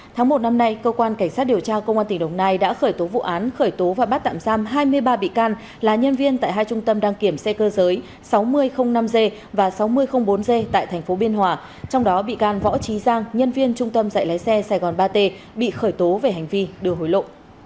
tháng một năm nay cơ quan cảnh sát điều tra công an tỉnh đồng nai đã khởi tố vụ án khởi tố và bắt tạm giam hai mươi ba bị can là nhân viên tại hai trung tâm đăng kiểm xe cơ giới sáu nghìn năm g và sáu nghìn bốn g tại tp biên hòa trong đó bị can võ trí giang nhân viên trung tâm dạy lái xe sài gòn ba t bị khởi tố về hành vi đưa hối lộ